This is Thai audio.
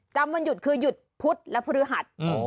จำวันหยุดคือหยุดพุทธและภูริหัส